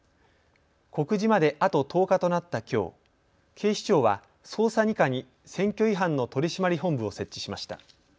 告示まであと１０日となったきょう、警視庁は捜査２課に選挙違反の取締本部を設置しました。